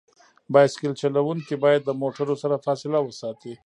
بایسکل چلونکي باید د موټرو سره فاصله وساتي.